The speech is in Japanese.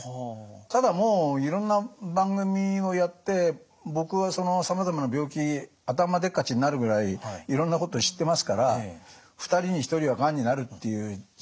ただもういろんな番組をやって僕はさまざまな病気頭でっかちになるぐらいいろんなこと知ってますから２人に１人はがんになるっていう時代ですしね。